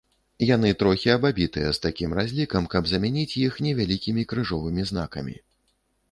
Яны трохі абабітыя з такім разлікам, каб замяніць іх невялікімі крыжовымі знакамі.